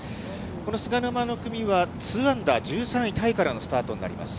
この菅沼の組は、２アンダー１３位タイからのスタートになります。